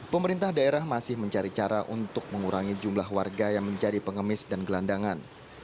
pemerintah daerah masih mencari cara untuk mengurangi jumlah warga yang menjadi pengemis dan gelandangan